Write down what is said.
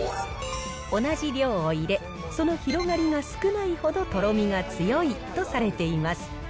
同じ量を入れ、その広がりが少ないほどとろみが強いとされています。